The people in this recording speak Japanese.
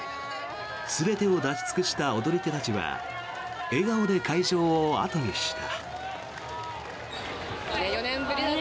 全てを出し尽くした踊り手たちは笑顔で会場を後にした。